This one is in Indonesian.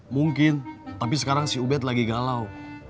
mungkin tapi sekarang si ubed lagi galau